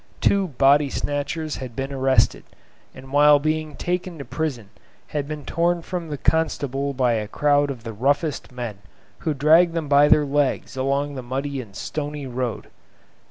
Two body snatchers had been arrested, and whilst being taken to prison had been torn from the constable by a crowd of the roughest men, who dragged them by their legs along the muddy and stony road.